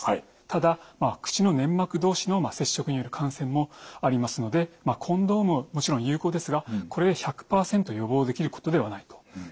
ただ口の粘膜同士の接触による感染もありますのでコンドームはもちろん有効ですがこれで１００％予防できることではないと。